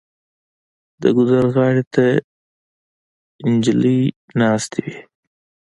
د ګودر غاړې ته جینکۍ ناستې وې